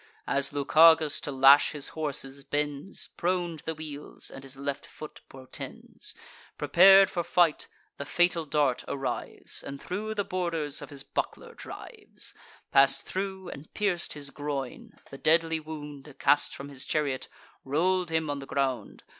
As Lucagus, to lash his horses, bends, Prone to the wheels, and his left foot protends, Prepar'd for fight; the fatal dart arrives, And thro' the borders of his buckler drives; Pass'd thro' and pierc'd his groin: the deadly wound, Cast from his chariot, roll'd him on the ground.